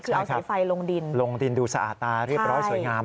คือเอาสีไฟลงดินลงดินดูสะอาดตาเรียบร้อยสวยงาม